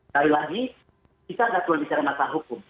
lagi lagi kita tidak boleh bicara masalah hukum